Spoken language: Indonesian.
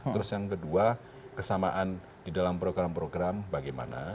terus yang kedua kesamaan di dalam program program bagaimana